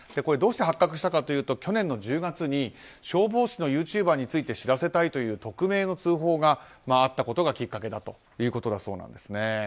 どうして発覚したかというと去年の１０月に消防士のユーチューバーについて知らせたいという匿名の通報があったことがきっかけだということです。